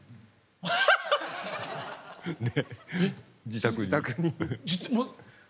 自宅に。